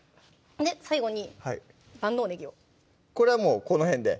最後に万能ねぎをこれはもうこの辺で？